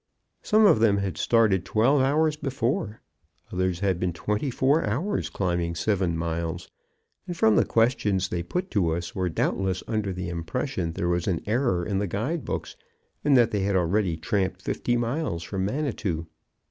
Some of them had started twelve hours before; others had been twenty four hours climbing seven miles, and from the questions they put to us were doubtless under the impression there was an error in the guide books and that they had already tramped fifty miles from Manitou.